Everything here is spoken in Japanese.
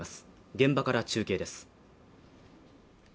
現場から中継です。